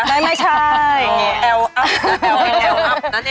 ไม่ไม่ใช่เอาอัพนะเอาอัพนะเนี่ย